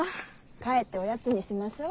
帰っておやつにしましょう。